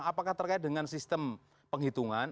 apakah terkait dengan sistem penghitungan